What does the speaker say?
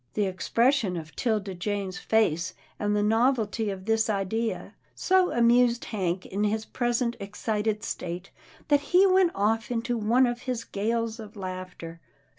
The expression of 'Tilda Jane's face, and the novelty of this idea, so amused Hank in his present excited state, that he went off into one of his gales of laughter.